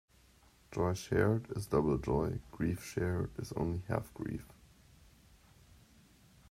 Joy shared is double joy; grief shared is only half grief.